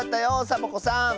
サボ子さん。